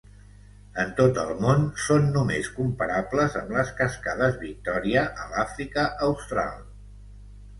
En tot el món són només comparables amb les cascades Victòria, a l'Àfrica Austral.